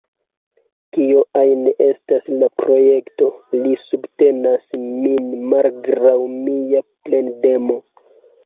Kio ajn estas la projekto, li subtenas min malgraŭ mia plendemo.